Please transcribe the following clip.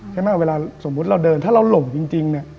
เวลาสมมุติเราเดินถ้าเราหลงจริงเนี่ย